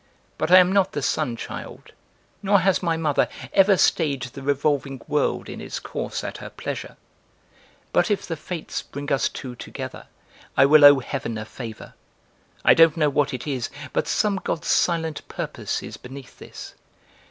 "But I am not the sun child nor has my mother ever stayed the revolving world in its course at her pleasure; but if the Fates bring us two together I will owe heaven a favor. I don't know what it is, but some god's silent purpose is beneath this.